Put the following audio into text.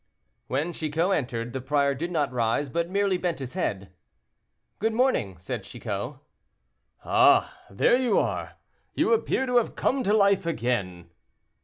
When Chicot entered, the prior did not rise, but merely bent his head. "Good morning," said Chicot. "Ah! there you are; you appear to have come to life again."